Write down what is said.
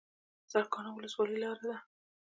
سرکانو ولسوالۍ لاره ده؟